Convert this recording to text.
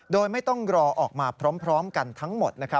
โดยไม่ต้องรอออกมาพร้อมกันทั้งหมด